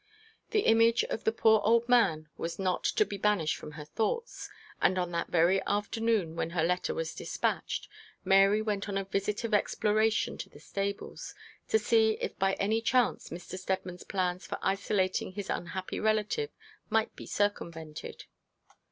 The image of the poor old man was not to be banished from her thoughts, and on that very afternoon, when her letter was dispatched, Mary went on a visit of exploration to the stables, to see if by any chance Mr. Steadman's plans for isolating his unhappy relative might be circumvented.